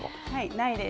ないです。